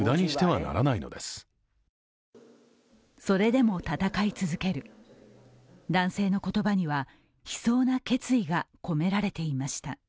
それでも戦い続ける、男性の言葉には悲壮な決意が込められていました。